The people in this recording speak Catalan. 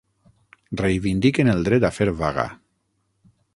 Reivindiquen el dret a fer vaga.